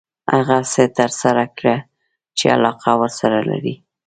هغه څه ترسره کړه چې علاقه ورسره لري .